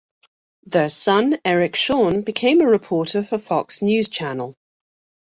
Their son, Eric Shawn, became a reporter for Fox News Channel.